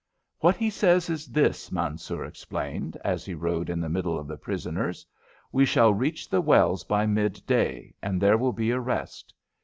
"What he says is this," Mansoor explained, as he rode in the middle of the prisoners. "We shall reach the wells by mid day, and there will be a rest.